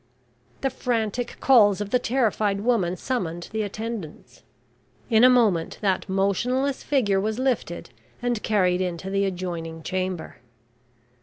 The frantic calls of the terrified woman summoned the attendants. In a moment, that motionless figure was lifted and carried into the adjoining chamber.